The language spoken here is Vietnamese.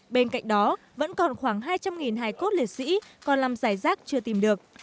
bên cạnh đó vẫn còn khoảng hai trăm linh hài cốt liệt sĩ còn làm giải rác chưa tìm được